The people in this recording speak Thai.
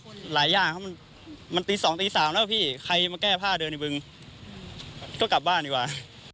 ก็หลายอย่างเขามันตี๒ตี๓แล้วพี่ใครมาแก้ผ้าเดินบึงก็กลับบ้านดีกว่า